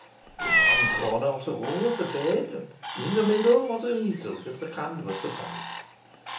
In one corner of the room was the bed, and in the middle was an easel with the canvas upon it.